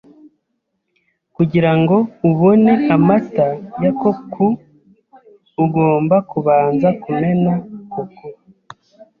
Kugirango ubone amata ya cocout, ugomba kubanza kumena cocout.